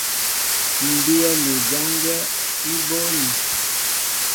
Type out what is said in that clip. M̀ bíyɛ́ mi ján gwɛ́ ní bóónī.